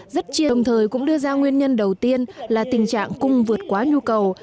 rất chia đồng thời cũng đưa ra nguyên nhân đầu tiên là tình trạng cung vượt quá nhu cầu